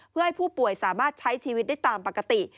เพื่อให้ผู้ป่วยสามารถใช้ชีวิตได้ตามปกติ